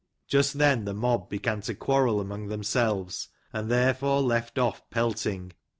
Just then the mob began to quarrel among themselves, and therefore left off pelting.